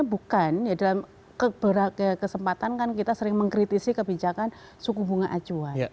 bukan ya dalam beberapa kesempatan kan kita sering mengkritisi kebijakan suku bunga acuan